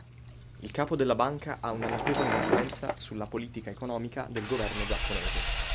Il capo della banca ha una notevole influenza sulla politica economica del governo giapponese.